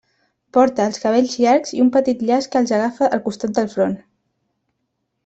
Porta els cabells llargs i un petit llaç que els agafa al costat del front.